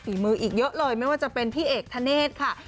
มืออีกเยอะเลยไม่ว่าจะเป็นพี่เอกธเนธค่ะ